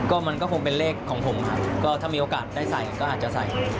ก็มันก็คงเป็นเลขของผมครับก็ถ้ามีโอกาสได้ใส่ก็อาจจะใส่